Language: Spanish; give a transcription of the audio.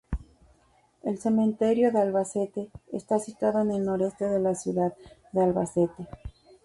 El Cementerio de Albacete está situado en el noreste de la ciudad de Albacete.